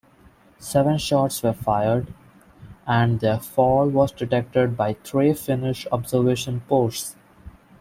Seven shots were fired, and their fall was detected by three Finnish observation posts.